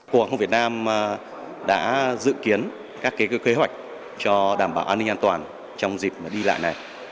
cục hàng không việt nam đã dự kiến các kế hoạch cho đảm bảo an ninh an toàn trong dịp đi lại này